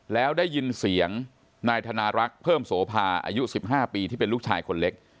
แล้วได้ยินเสียงนายธนารักษ์เพิ่มโสภาอายุ๑๕ปีที่เป็นลูกชายคนเล็ก